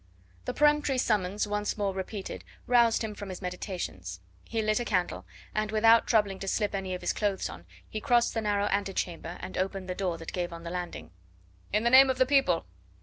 The peremptory summons, once more repeated, roused him from his meditations. He lit a candle, and without troubling to slip any of his clothes on, he crossed the narrow ante chamber, and opened the door that gave on the landing. "In the name of the people!"